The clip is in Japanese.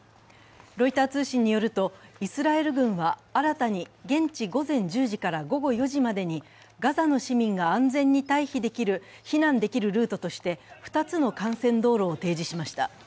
ロイター通信によると、イスラエル軍は新たに現地午前１０時から午後４時までにガザの市民が安全に避難できるルートとして２つの幹線道路を提示しました。